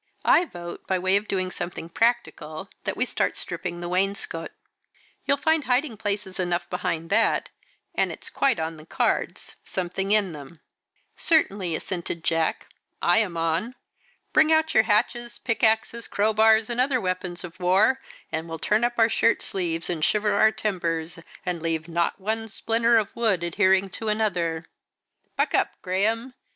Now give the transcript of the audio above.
I vote, by way of doing something practical, that we start stripping the wainscot. You'll find hiding places enough' behind that, and it's quite on the cards, something in them." "Certainly," assented Jack, "I am on. Bring out your hatchets, pickaxes, crowbars, and other weapons of war, and we'll turn up our shirt sleeves, and shiver our timbers, and not leave one splinter of wood adhering to another. Buck up, Graham!